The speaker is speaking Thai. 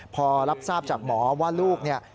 พอรับทราบจากหมอว่าลูกเนี่ย